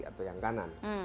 atau yang kanan